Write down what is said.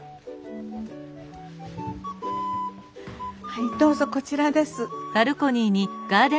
はいどうぞこちらです。